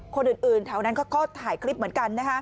คนอื่นแถวนั้นเขาก็ถ่ายคลิปเหมือนกัน